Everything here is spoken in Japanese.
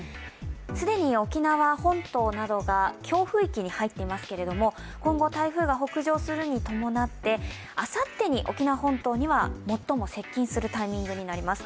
既に沖縄本島などが強風域に入っていますけど今後台風が北上するに伴ってあさってに沖縄本島には最も接近するタイミングになります。